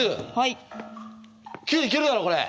９いけるだろこれ。